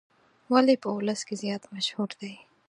ولې په ولس کې زیات مشهور دی.